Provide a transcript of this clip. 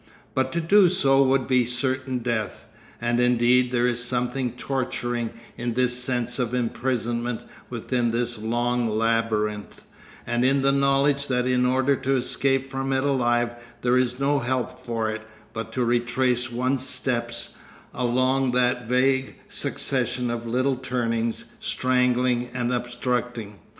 But to do so would be certain death. And indeed there is something torturing in this sense of imprisonment within this long labyrinth, and in the knowledge that in order to escape from it alive there is no help for it, but to retrace one's steps along that vague succession of little turnings, strangling and obstructing.